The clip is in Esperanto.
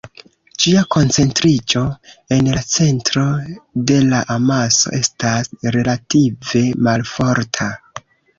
Ĝia koncentriĝo en la centro de la amaso estas relative malforta.